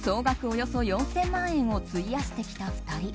およそ４０００万円を費やしてきた２人。